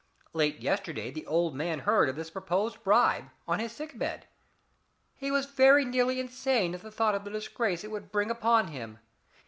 Late yesterday the old man heard of this proposed bribe on his sick bed. He was very nearly insane at the thought of the disgrace it would bring upon him.